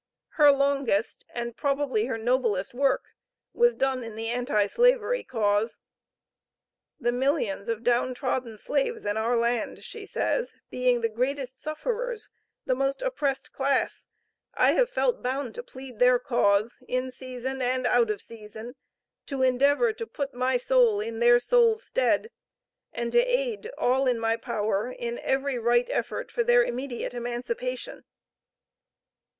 Her longest, and probably her noblest work, was done in the anti slavery cause. "The millions of down trodden slaves in our land," she says, "being the greatest sufferers, the most oppressed class, I have felt bound to plead their cause, in season and out of season, to endeavor to put my soul in their soul's stead, and to aid, all in my power, in every right effort for their immediate emancipation."